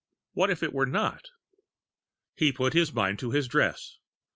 What if it were not? He put his mind to his dress.